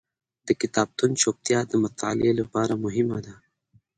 د کتابتون چوپتیا د مطالعې لپاره مهمه ده.